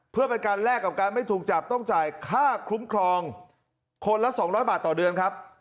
เพื่อเป็นการแลกกับการไม่ถูกจับต้องจ่ายค่าคุ้มครองคนละ๒๐๐บาทต่อเดือนครับ